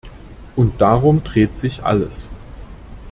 Und darum dreht sich alles.